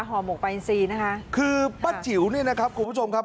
หมกไปอินซีนะคะคือป้าจิ๋วเนี่ยนะครับคุณผู้ชมครับ